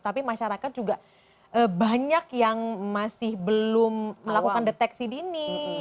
tapi masyarakat juga banyak yang masih belum melakukan deteksi dini